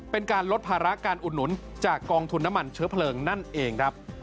เป็นการลดภาระการอุดหนุนจากกองทุนน้ำมันเชื้อเพลิงนั่นเองครับ